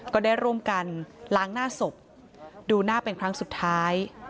ก็ได้ร่วมกันล้างหน้าศพดูหน้าเป็นครั้งสุดท้าย